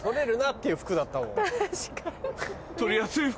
確かに。